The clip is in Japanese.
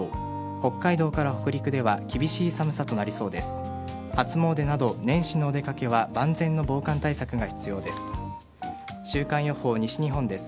北海道から北陸では厳しい寒さとなりそうです。